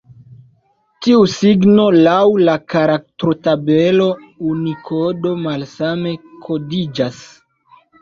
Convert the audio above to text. Tiu signo laŭ la karaktrotabelo Unikodo malsame kodiĝas.